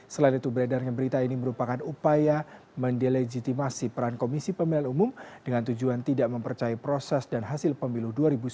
selain itu beredarnya berita ini merupakan upaya mendelegitimasi peran komisi pemilihan umum dengan tujuan tidak mempercayai proses dan hasil pemilu dua ribu sembilan belas